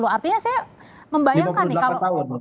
artinya saya membayangkan nih kalau